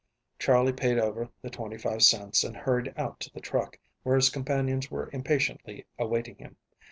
Charley paid over the twenty five cents and hurried out to the truck, where his companions were impatiently awaiting him.